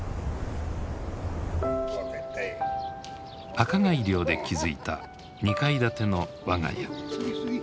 赤貝漁で築いた２階建ての我が家。